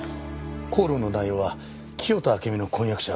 口論の内容は清田暁美の婚約者